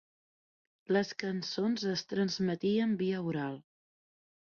Les cançons es transmetien via oral.